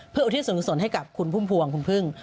เพื่ออุทิศส่วนให้กับคุณพุ่มพวง